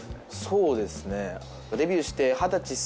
そうですね。